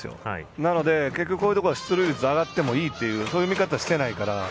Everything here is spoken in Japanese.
なので、結局こういうところは出塁率上がってもいいというそういう見方してないから。